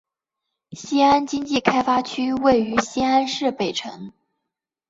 西安经济技术开发区位于西安市北城。